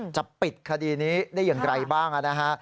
จะปิดคดีนี้ได้อย่างไรบ้างนะฮะ